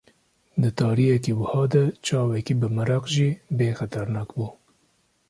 Di tariyeke wiha de çavekî bimereq jî bê xeternak bû.